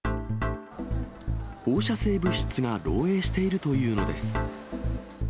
放射性物質が漏えいしているというのです。